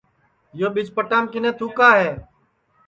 یو پیچ پٹام کِنے تُھکا ہے